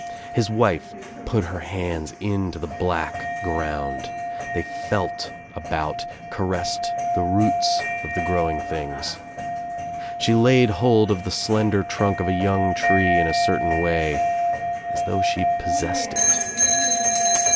His wife put her hands into the black ground. They felt aboutf caressed the roots of the growing things. She laid \ hold of the slender trunk of a young' tree in a certain way — as though she possessed it.